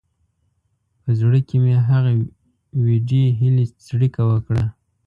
په زړه کې مې هغه وېډې هیلې څړیکه وکړه.